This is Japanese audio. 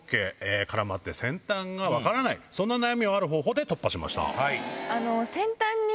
そんな悩みをある方法で突破しました。